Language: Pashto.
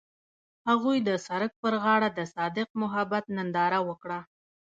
هغوی د سړک پر غاړه د صادق محبت ننداره وکړه.